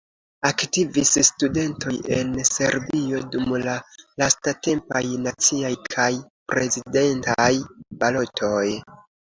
Aktivis studentoj en Serbio dum la lastatempaj naciaj kaj prezidentaj balotoj.